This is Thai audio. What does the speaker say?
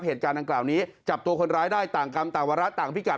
เหตุการณ์ดังกล่าวนี้จับตัวคนร้ายได้ต่างกรรมต่างวาระต่างพิกัด